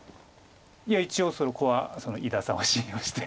いや一応そこは伊田さんを信用して。